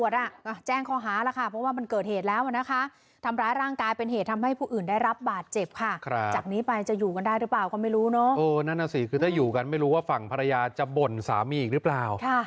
อยากขอโทษเมียแล้วยืนยันจะดำเนินคดีค่ะ